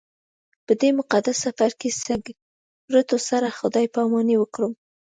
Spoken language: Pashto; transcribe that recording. په دې مقدس سفر کې سګرټو سره خدای پاماني وکړم.